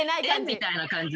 みたいな感じで。